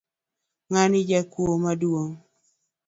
Ngani jakuo maduong.